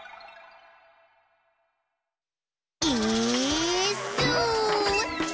「イーッス」